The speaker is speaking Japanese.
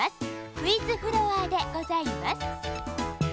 クイズフロアでございます。